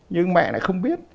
nhưng mẹ lại không biết